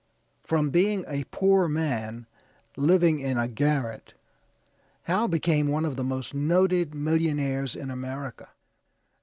From being a poor man, living in a garret, Howe became one of the most noted millionaires in America.